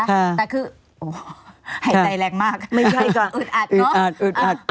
แต่คือโอ้หายใจแรงมากไม่ใช่ค่ะอึดอัดเนอะอึดอัดอึดอัด